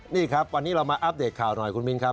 นี่ครับวันนี้เรามาอัปเดตข่าวหน่อยคุณมินครับ